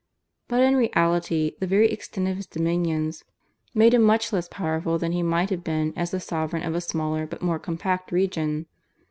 But in reality the very extent of his dominions made him much less powerful than he might have been as the sovereign of a smaller but more compact region.